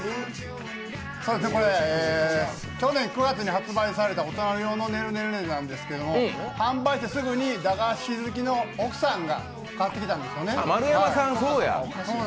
去年、９月に発売された大人用のねるねるねるねなんですけど販売してすぐに、駄菓子好きの奥さんが買ってきたんですね。